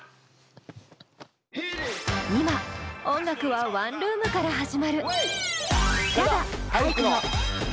今音楽はワンルームから始まる。